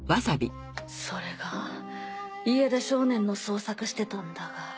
それが家出少年の捜索してたんだが。